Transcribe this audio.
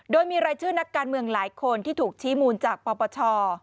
โดยมีรายชื่อนักการเมืองหลายคนที่ถูกชี้มูลจากปปช